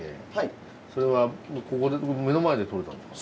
それは目の前でとれたんですか？